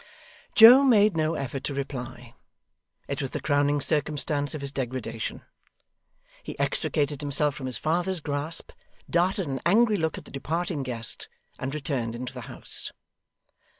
Joe made no effort to reply. It was the crowning circumstance of his degradation. He extricated himself from his father's grasp, darted an angry look at the departing guest, and returned into the house.